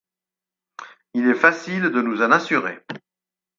Il est facile de nous en assurer.